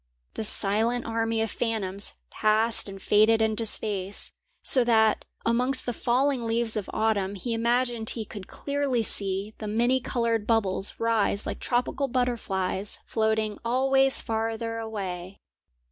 The silent army of phantoms passed and faded into space, so that amongst the falling leaves of autumn he imagined he could clearly see the many coloured bubbles rise like tropical butterflies floating always farther away.